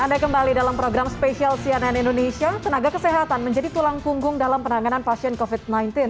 anda kembali dalam program spesial cnn indonesia tenaga kesehatan menjadi tulang punggung dalam penanganan pasien covid sembilan belas